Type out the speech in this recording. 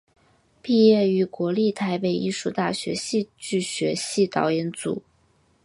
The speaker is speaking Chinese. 毕业于国立台北艺术大学戏剧学系导演组。